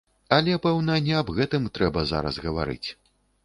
Але, пэўна, не аб гэтым трэба зараз гаварыць.